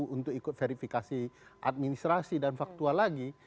untuk ikut verifikasi administrasi dan faktual lagi